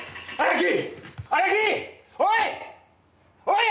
おい！